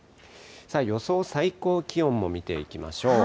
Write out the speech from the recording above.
予想最高気温も見ていきましょう。